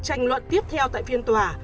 tranh luận tiếp theo tại phiên tòa